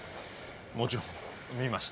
もちろん見ました。